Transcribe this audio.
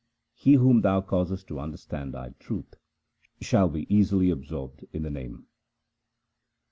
He whom Thou causest to understand Thy truth, shall be easily absorbed in the Name.